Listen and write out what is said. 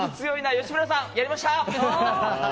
吉村さん、やりました！